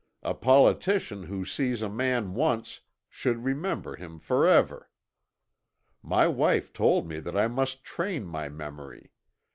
A politician who sees a man once should remember him forever.' My wife told me that I must train my memory.